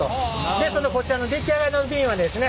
ですのでこちらの出来上がりの瓶はですね